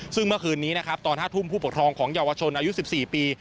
ซึ่งเมื่อคืนนี้นะครับตอน๕ทุ่มผู้ปกครองของเยาวชนอายุ๑๔ปี